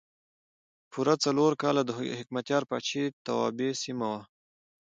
پوره څلور کاله د حکمتیار پاچاهۍ توابع سیمه وه.